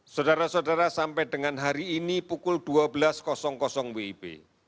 saudara saudara sampai dengan hari ini pukul dua belas wib